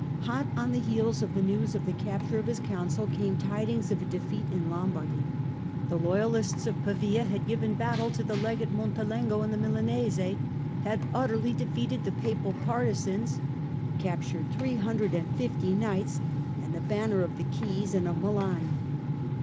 Hot on the heels of the news of the capture of his Council came tidings of a defeat in Lombardy. The loyalists of Pavia had given battle to the Legate Montelengo and the Milanese, had utterly defeated the Papal partisans, captured three hundred and fifty knights and the Banner of the Keys and of Milan.